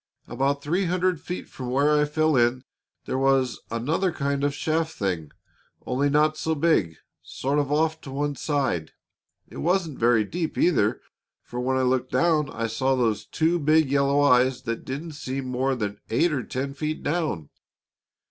About three hundred feet from where I fell in there was another kind of a shaft thing, only not so big, sort of off to one side. It wasn't very deep, either, for when I looked down I saw those two big yellow eyes that didn't seem more than eight or ten feet down.